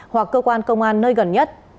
hoặc cơ quan công an nơi gần nhất